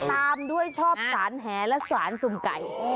ตามด้วยชอบสารแหและสารสุ่มไก่